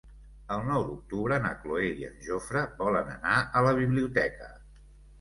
El nou d'octubre na Cloè i en Jofre volen anar a la biblioteca.